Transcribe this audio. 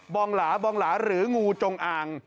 องหลาบองหลาหรืองูจงอ่าง